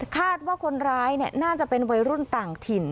คาดว่าคนร้ายน่าจะเป็นวัยรุ่นต่างถิ่น